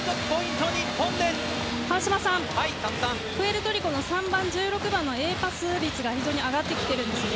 川島さん、プエルトリコの３番、１６番のＡパス率が非常に上がってきていますね。